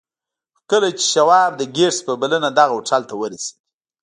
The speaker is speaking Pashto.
خو کله چې شواب د ګيټس په بلنه دغه هوټل ته ورسېد.